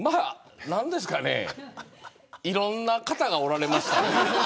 なんですかねいろんな方がおられましたね。